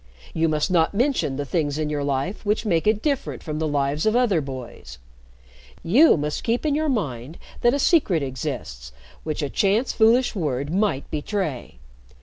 You must not mention the things in your life which make it different from the lives of other boys. You must keep in your mind that a secret exists which a chance foolish word might betray.